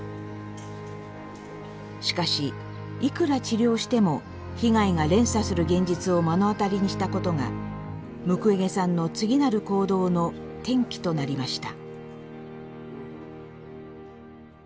しかしいくら治療しても被害が連鎖する現実を目の当たりにしたことがムクウェゲさんの次なる行動の転機となりました。